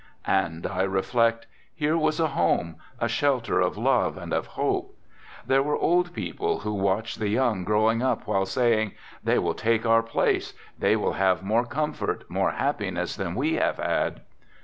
\ And I reflect : Here was a home, a shelter of love and of hope ; there were old people who watched the young growing up while saying: " They will take our place, they will have more comfort, more happi ness than we have had."